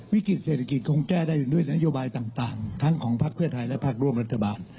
วิกฤติเศรษฐกิจคงแก้ได้ด้วยนโยบายต่างทั้งของพักเพื่อไทยและภาคร่วมรัฐบาล